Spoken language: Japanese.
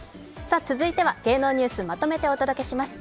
続いては芸能ニュースまとめてお届けします。